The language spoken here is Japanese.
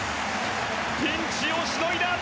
ピンチをしのいだ。